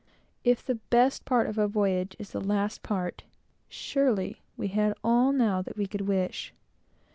If the best part of the voyage is the last part, surely we had all now that we could wish.